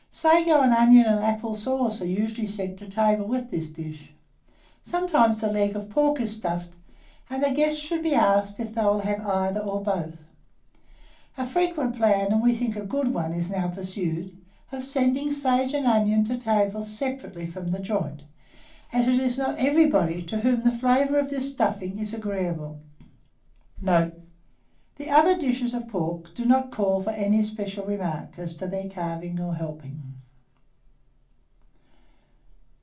Sago and onion and apple sauce are usually sent to table with this dish, sometimes the leg of pork is stuffed, and the guests should be asked if they will have either or both. A frequent plan, and we think a good one, is now pursued, of sending sage and onion to table separately from the joint, as it is not everybody to whom the flavour of this stuffing is agreeable. Note. The other dishes of pork do not call for any special remarks as to their carving or helping.